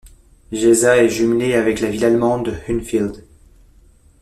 Geisa est jumelée avec la ville allemande de Hünfeld.